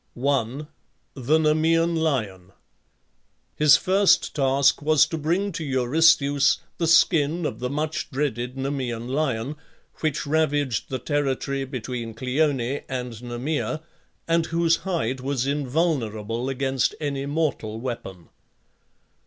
1. THE NEMEAN LION. His first task was to bring to Eurystheus the skin of the much dreaded Nemean lion, which ravaged the territory between Cleone and Nemea, and whose hide was invulnerable against any mortal weapon.